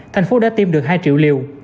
thành phố đã tiêm được hai triệu liều